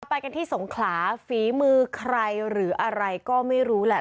ไปกันที่สงขลาฝีมือใครหรืออะไรก็ไม่รู้แหละ